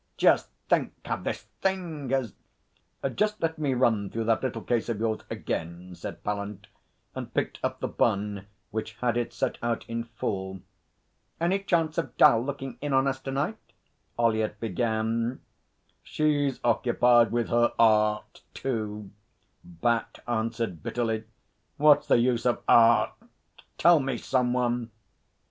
Just think how this thing has ' 'Just let me run through that little case of yours again,' said Pallant, and picked up The Bun which had it set out in full. 'Any chance of 'Dal looking in on us to night?' Ollyett began. 'She's occupied with her Art too,' Bat answered bitterly. 'What's the use of Art? Tell me, some one!'